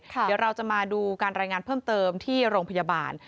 เดี๋ยวเราจะมาดูการรายงานเพิ่มเติมที่โรงพยาบาล